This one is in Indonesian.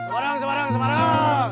semarang semarang semarang